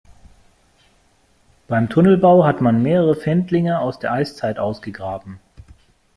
Beim Tunnelbau hat man mehrere Findlinge aus der Eiszeit ausgegraben.